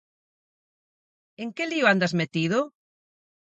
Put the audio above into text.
_¿En que lío andas metido?